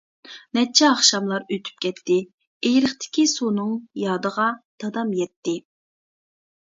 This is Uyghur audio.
نەچچە ئاخشاملار ئۆتۈپ كەتتى، ئېرىقتىكى سۇنىڭ يادىغا دادام يەتتى.